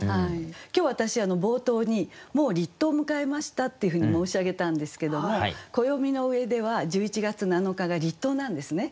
今日私冒頭に「もう立冬を迎えました」っていうふうに申し上げたんですけども暦の上では１１月７日が立冬なんですね。